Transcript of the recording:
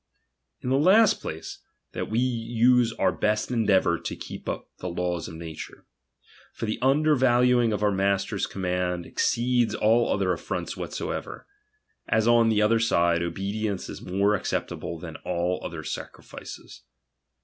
In the last place, that we use our best endeavour to keep the laics of nature. For the undervaluing of our master's command, exceed.'; all other affronts whatsoever ; as on the other side, obedience is more acceptable than all other sacrifices.